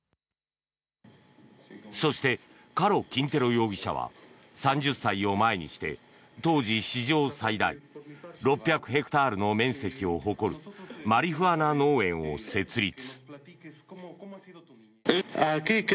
そして、カロ・キンテロ容疑者は３０歳を前にして当時史上最大６００ヘクタールの面積を誇るマリフアナ農園を設立。